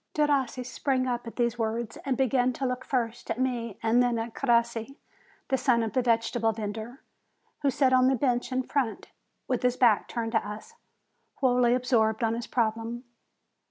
Derossi sprang up at these words, and began to look first at me and then at Crossi, the son of the vegetable vendor, who sat on the bench in front, with his back turned to us, wholly absorbed on his problem.